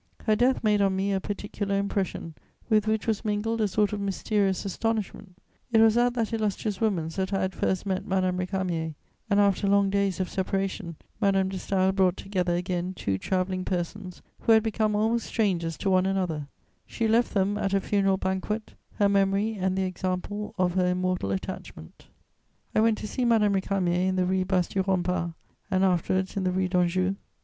Her death made on me a particular impression, with which was mingled a sort of mysterious astonishment: it was at that illustrious woman's that I had first met Madame Récamier and, after long days of separation, Madame de Staël brought together again two travelling persons who had become almost strangers to one another: she left them, at a funeral banquet, her memory and the example of her immortal attachment. I went to see Madame Récamier in the Rue Basse du Rempart and, afterwards, in the Rue d'Anjou.